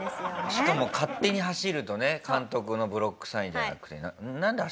しかも勝手に走るとね監督のブロックサインじゃなくて。